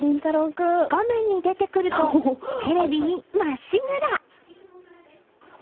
画面に出てくるとテレビにまっしぐら！